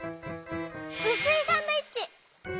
うすいサンドイッチ！